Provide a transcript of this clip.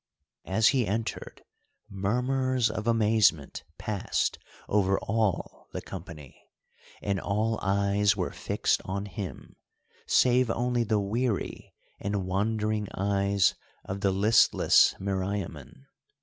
As he entered murmurs of amazement passed over all the company, and all eyes were fixed on him, save only the weary and wandering eyes of the listless Meriamun.